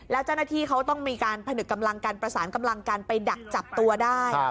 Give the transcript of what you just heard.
แล้วเจ้าหน้าที่เขาต้องมีการผนึกกำลังกันประสานกำลังกันไปดักจับตัวได้